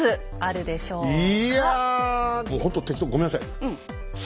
いやもうほんと適当ごめんなさい。